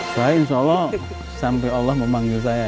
saya insya allah sampai allah memanggil saya